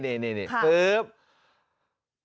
นี่นี่นี่น่ะ